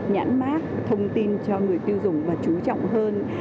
nhãn mát thông tin cho người tiêu dùng và chú trọng hơn